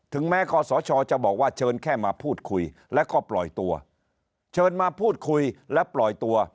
แม้คอสชจะบอกว่าเชิญแค่มาพูดคุยแล้วก็ปล่อยตัวเชิญมาพูดคุยและปล่อยตัว